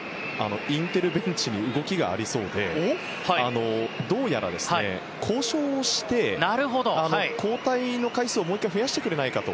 インテルベンチに動きがありそうでどうやら交渉をして交代の回数をもう１回増やしてくれないかと。